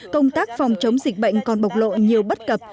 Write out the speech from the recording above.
công tác phòng chống dịch bệnh còn bộc lộ nhiều bất cập